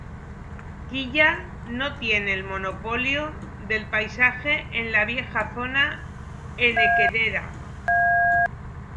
Ki ya no tiene el monopolio del paisaje en la vieja zona henequenera.